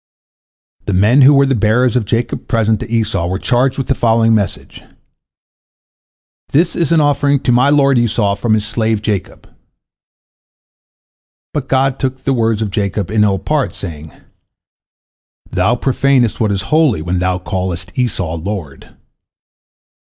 The men who were the bearers of Jacob's present to Esau were charged with the following message, "This is an offering to my lord Esau from his slave Jacob." But God took these words of Jacob in ill part, saying, "Thou profanest what is holy when thou callest Esau lord."